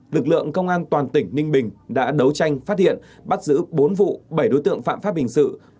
lực lượng công an toàn tỉnh ninh bình đã đấu tranh phát hiện bắt giữ bốn vụ bảy đối tượng phạm pháp hình sự